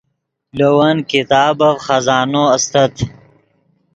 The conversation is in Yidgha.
لے ون کتابف خزانو استت